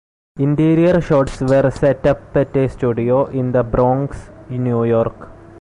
Interior shots were set up at a studio in the Bronx, New York.